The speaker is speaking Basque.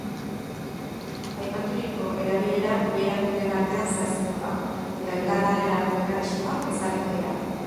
Aipaturiko erabilera bi erakundeen artean zehaztuko da, eta elkarlanerako mekanismoak ezarriko dira.